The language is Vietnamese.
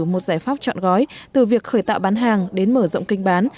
một giải pháp chọn gói từ việc khởi tạo bán hàng đến mở rộng kinh bán